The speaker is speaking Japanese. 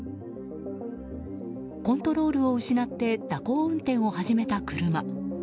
コントロールを失って蛇行運転を始めた車。